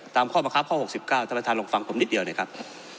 ตามข้อบังคับข้อ๖๙ท่านประธานลองฟังผมนิดเดียวเลยครับ